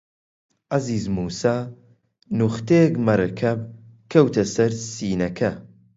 عەزیز مووسا نوختەیەک مەرەکەب کەوتە سەر سینەکە